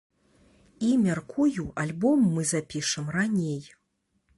І, мяркую, альбом мы запішам раней.